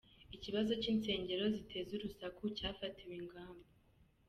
Ikibazo cy’insengero ziteza urusaku cyafatiwe ingamba